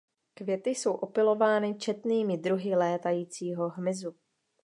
Květy jsou opylovány četnými druhy létajícího hmyzu.